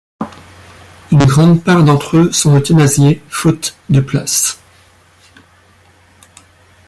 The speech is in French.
Une grande part d'entre eux sont euthanasiés, faute de place.